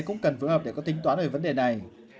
cũng cần phối hợp để có tính toán về vấn đề này